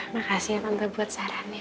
makasih ya tante buat sarannya